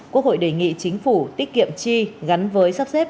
quốc hội đề nghị chính phủ tiết kiệm chi gắn với sắp xếp